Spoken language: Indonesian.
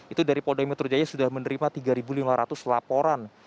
itu dari polda metro jaya sudah menerima tiga lima ratus laporan